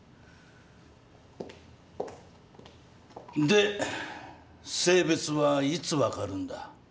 で性別はいつ分かるんだ？